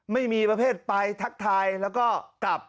ไม่มีประเภทไปทักทายแล้วก็กลับ